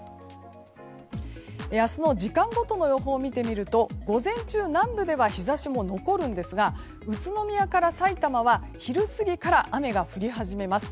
明日の時間ごとの予報を見てみると午前中南部では日差しも残るんですが宇都宮からさいたまは昼過ぎから雨が降り始めます。